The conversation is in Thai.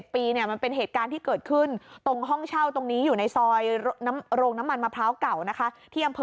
ปีเนี่ยมันเป็นเหตุการณ์ที่เกิดขึ้นตรงห้องเช่าตรงนี้อยู่ในซอยโรงน้ำมันมะพร้าวเก่านะคะที่อำเภอ